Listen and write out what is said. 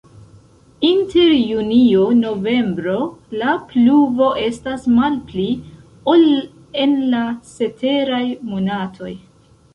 Inter junio-novembro la pluvo estas malpli, ol en la ceteraj monatoj.